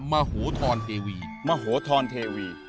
มหทรทีวี